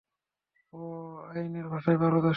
ও আইনের ভাষায় পারদর্শী।